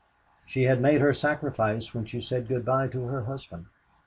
She had made her sacrifice when she said good by to her husband.